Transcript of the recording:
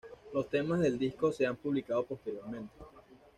Los temas del disco se han publicado posteriormente.